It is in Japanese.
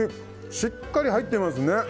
しっかり入ってますね。